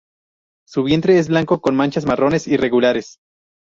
Su vientre es blanco con manchas marrones irregulares.